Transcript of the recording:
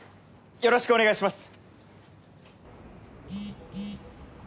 よろしくお願いします！